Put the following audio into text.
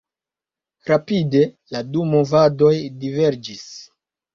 Rapide la du movadoj diverĝis.